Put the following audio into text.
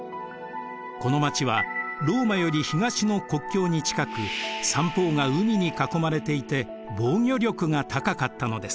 この街はローマより東の国境に近く三方が海に囲まれていて防御力が高かったのです。